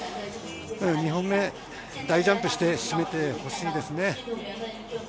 ２本目大ジャンプをしてほしいですね。